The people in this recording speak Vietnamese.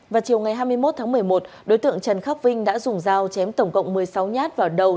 vào chiều ngày hai mươi một tháng một mươi một đối tượng trần khắc vinh đã dùng dao chém tổng cộng một mươi sáu nhát vào đầu